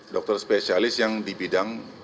dokter spesialis yang di bidang